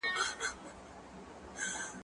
زه به اوږده موده مکتب ته تللي وم؟